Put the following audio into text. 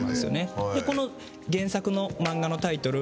この原作の漫画のタイトル